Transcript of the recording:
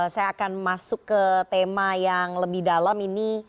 saya akan masuk ke tema yang lebih dalam ini